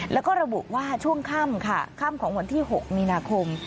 แล้วก็ระบุว่าช่วงค่ำค่ะค่ำของวันที่๖มีนาคม